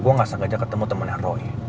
gue nggak sengaja ketemu temennya roy